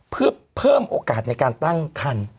เพื่อเพิ่มโอกาสในการตั้งคัน